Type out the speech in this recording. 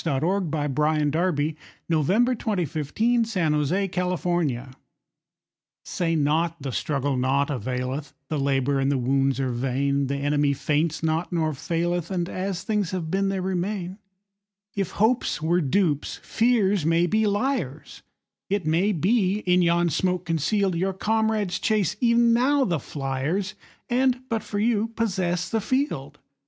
Arthur Hugh Clough 693. Say Not the Struggle Naught Availeth SAY not the struggle naught availeth, The labour and the wounds are vain, The enemy faints not, nor faileth, And as things have been they remain. If hopes were dupes, fears may be liars; It may be, in yon smoke conceal'd, Your comrades chase e'en now the fliers, And, but for you, possess the field.